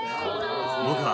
僕は。